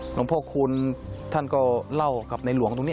หลวงพ่อคูณท่านก็เล่ากับในหลวงตรงนี้